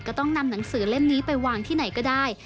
ต้องนำหนังสือเล่มนี้ไปวางที่ไหนก็ได้